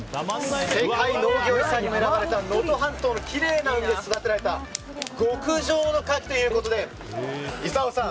世界農業遺産に選ばれた能登半島で育てられた極上のかきということで功さん